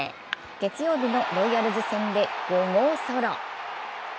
月曜日のロイヤルズ戦で５号ソロ。